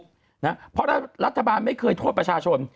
รัฐมนตรีรัฐบาลไม่ควรโทษประชาชน